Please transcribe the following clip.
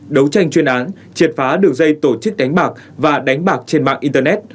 đấu tranh chuyên án triệt phá đường dây tổ chức đánh bạc và đánh bạc trên mạng internet